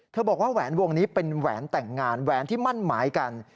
บอกว่าแหวนวงนี้เป็นแหวนแต่งงานแหวนที่มั่นหมายกัน